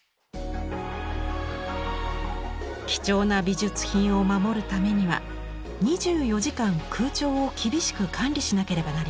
貴重な美術品を守るためには２４時間空調を厳しく管理しなければなりません。